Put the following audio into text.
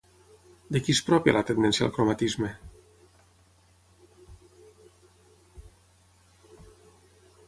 De qui és pròpia la tendència al cromatisme?